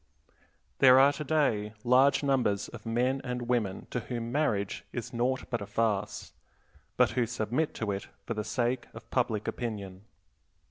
There are today large numbers of men and women to whom marriage is naught but a farce, but who submit to it for the sake of public opinion.